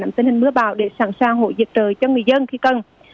nằm tên hình mưa bão để sẵn sàng hội diệt trời cho người dân khi cần